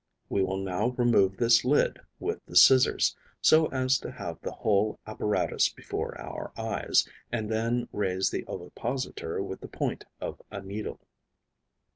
We will now remove this lid with the scissors, so as to have the whole apparatus before our eyes, and then raise the ovipositor with the point of a needle.